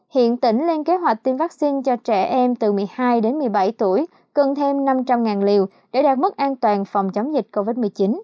hiện tỉnh lên kế hoạch tiêm vaccine cho trẻ em từ một mươi hai đến một mươi bảy tuổi cần thêm năm trăm linh liều để đạt mức an toàn phòng chống dịch covid một mươi chín